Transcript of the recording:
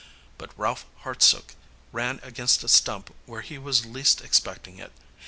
But Ralph Hartsook ran against a stump where he was least expecting it.